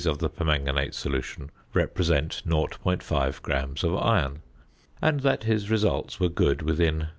of the permanganate solution represent 0.5 gram of iron, and that his results were good within 0.